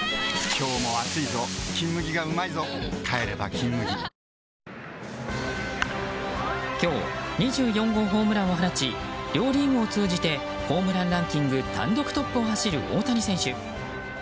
今日も暑いぞ「金麦」がうまいぞ帰れば「金麦」今日、２４号ホームランを放ち両リーグを通じてホームランランキング単独トップを走る大谷選手。